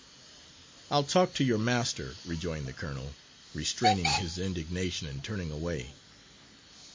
"I'll talk to your master," rejoined the colonel, restraining his indignation and turning away.